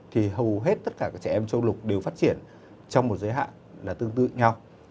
thì hầu hết tất cả các trẻ em châu lục đều phát triển trong một giới hạn là tương tự nhau